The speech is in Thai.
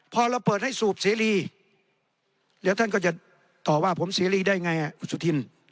พอเราเปิดให้สูบเสรีแล้วท่านก็จะต่อว่าผมเสรีได้ไงคุณสุธิน